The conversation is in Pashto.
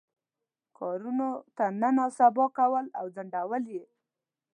کارونو ته نن او سبا کول او ځنډول یې.